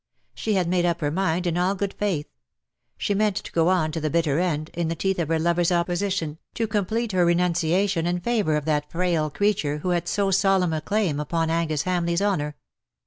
She had made up her mind in all good faith. She meant to go on to the bitter end, in the teeth of her lover's opposition, to complete her renunciation in favour of that frail creature who had so solemn a claim upon Angus Hamleigh's honour.